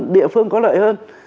địa phương có lợi hơn